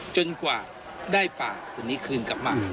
จนกว่าได้ป่าตัวนี้คืนกลับมา